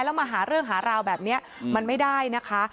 แล้วมาหาเรื่องหาราวแบบนี้มันไม่ได้นะคะ